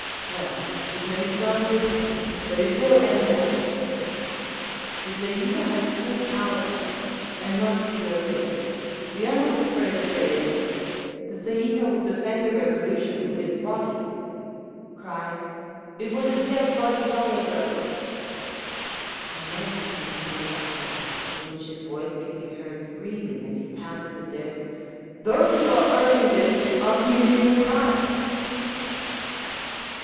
"Well, it may start differently, but it will end that way! "The Tsay ee kah has full power to act, and must be obeyed…. We are not afraid of bayonets…. The Tsay ee kah will defend the Revolution with its body…." (Cries, "It was a dead body long ago!") Immense continued uproar, in which his voice could be heard screaming, as he pounded the desk, "Those who are urging this are committing a crime!"